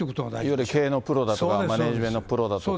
いわゆる経営のプロだとか、マネジメントのプロだとか。